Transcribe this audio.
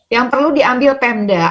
yang perlu diambil pendah